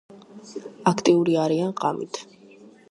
აქტიური არიან ღამით.